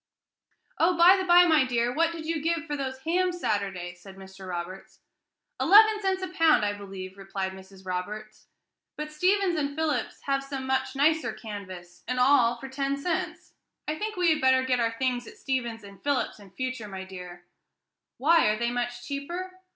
"Oh, by the bye, my dear, what did you give for those hams Saturday?" said Mr. Roberts. "Eleven cents a pound, I believe," replied Mrs. Roberts; "but Stephens and Philips have some much nicer, canvas and all, for ten cents. I think we had better get our things at Stephens and Philips's in future, my dear." "Why? are they much cheaper?"